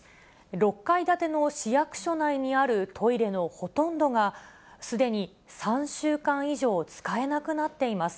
６階建ての市役所内にあるトイレのほとんどが、すでに３週間以上使えなくなっています。